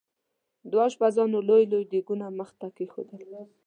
دوه اشپزانو لوی لوی دیګونه مخې ته کېښودل.